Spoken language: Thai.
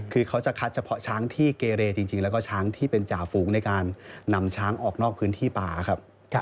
คือเขาจะคัดเฉพาะช้างที่เกเรจริงแล้วก็ช้างที่เป็นจ่าฝูงในการนำช้างออกนอกพื้นที่ป่าครับ